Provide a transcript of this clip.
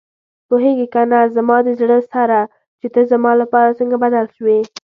پوهېږې کنه زما د زړه سره چې ته زما لپاره څنګه بدل شوې.